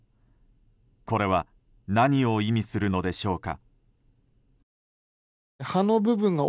これは何を意味するのでしょうか？